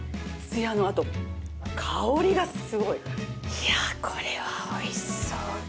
いやこれは美味しそう。